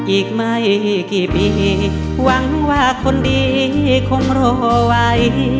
อีกไม่กี่ปีหวังว่าคนดีคงรอไว้